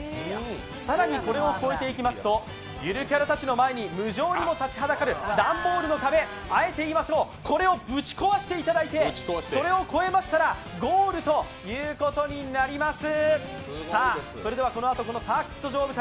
更にこれを越えていきますと、ゆるキャラたちの前に無情にも立ち上る段ボールの壁、あえて言いましょう、これをぶち壊していただいてそれを越えましたらゴールということになります。